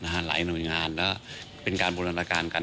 หลายหน่วยงานแล้วเป็นการบูรณาการกัน